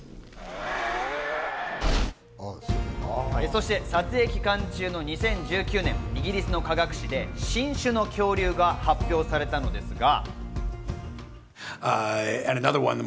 そして撮影期間中の２０１９年、イギリスの科学誌で新種の恐竜が発表されたのですが。